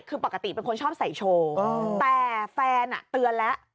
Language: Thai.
คือปกติเป็นคนชอบใส่โชว์แต่แฟนเตือนแล้ว